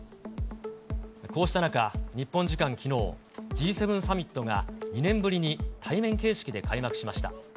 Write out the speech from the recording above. こうした中、日本時間きのう、Ｇ７サミットが２年ぶりに対面形式で開幕しました。